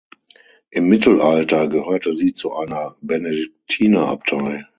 Im Mittelalter gehörte sie zu einer Benediktinerabtei.